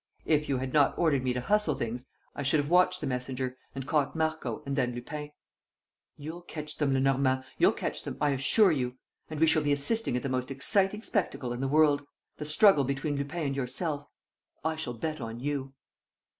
If you had not ordered me to hustle things, I should have watched the messenger and caught Marco and then Lupin." "You'll catch them, Lenormand, you'll catch them, I assure you. And we shall be assisting at the most exciting spectacle in the world: the struggle between Lupin and yourself. I shall bet on you."